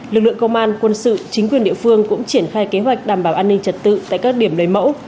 lực lượng công an quân sự chính quyền địa phương cũng triển khai kế hoạch đảm bảo an ninh trật tự tại các điểm lấy mẫu